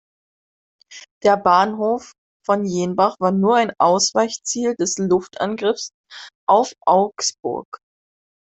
Der Bahnhof von Jenbach war nur ein Ausweichziel des Luftangriffs auf Augsburg.